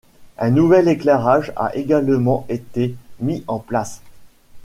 Un nouvel éclairage a également été mis en place.